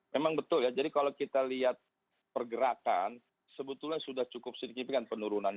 memang betul ya jadi kalau kita lihat pergerakan sebetulnya sudah cukup signifikan penurunannya